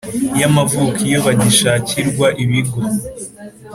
Y amavuko iyo bagishakirwa ibigo